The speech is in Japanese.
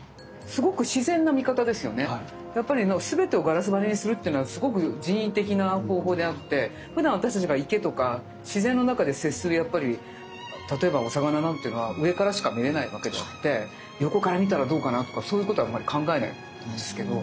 全てをガラス張りにするっていうのはすごく人為的な方法であってふだん私たちが池とか自然の中で接する例えばお魚なんていうのは上からしか見えないわけであって横から見たらどうかなとかそういうことはあんまり考えないと思うんですけど。